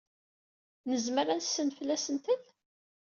Nezmer ad nessenfel asentel?